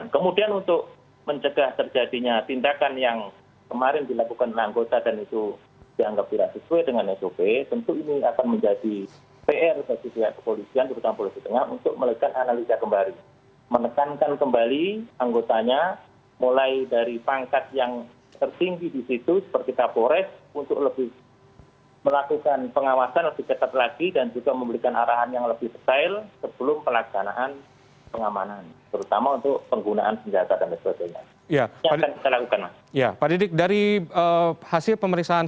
kita akan menunjukkan